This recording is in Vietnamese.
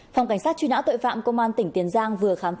phòng cảnh sát truy nã tội phạm công an tỉnh tiền giang